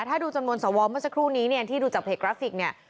ถ้าดูจำนวนสวเมื่อสักครู่นี้เนี่ยที่ดูจากเพจกราฟิกเนี่ย